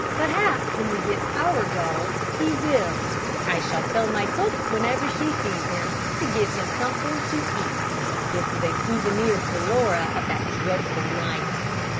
Perhaps when we get our dog he will. I shall tell my cook whenever she sees him to give him something to eat. This is a souvenir for Laura of that dreadful night.